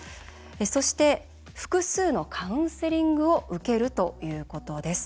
そして複数のカウンセリングを受けるということです。